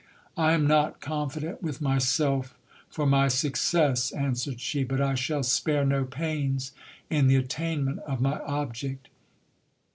I am not confident with myself for my success, answered she : but I shall spare no pains in the attainment of my object.